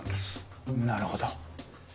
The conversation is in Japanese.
なるほど。